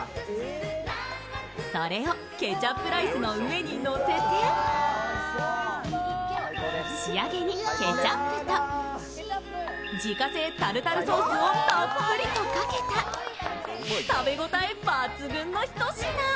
それをケチャップライスの上にのせて、仕上げにケチャップと自家製タルタルソースをたっぷりとかけた食べ応え抜群のひと品。